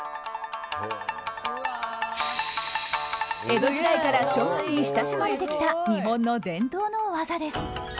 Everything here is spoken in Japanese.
江戸時代から庶民に親しまれてきた日本の伝統の技です。